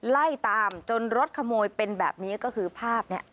ไล่ตามจนรถขโมยเป็นแบบนี้ก็คือภาพเนี่ย